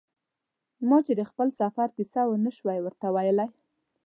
ما چې د خپل سفر کیسه و نه شو ورته ویلای.